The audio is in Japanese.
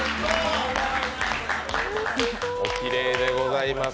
おきれいでございます